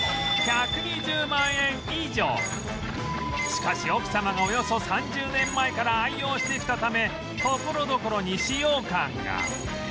しかし奥様がおよそ３０年前から愛用してきたためところどころに使用感が